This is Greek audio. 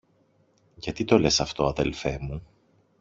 Γιατί το λες αυτό, αδελφέ μου;